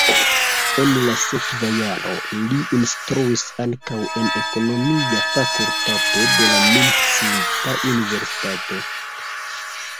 En la sekva jaro li instruis ankaŭ en ekonomia fakultato de la menciita universitato.